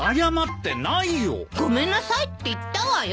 ごめんなさいって言ったわよ。